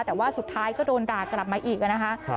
แต่ว่าสุดท้ายก็โดนด่ากลับมาอีกนะคะ